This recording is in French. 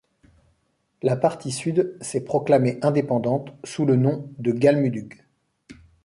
La partie sud s'est proclamée indépendante, sous le nom de Galmudug.